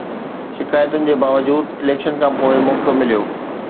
شڪايتن جي باوجود اليڪشن کان پوءِ موقعو مليو.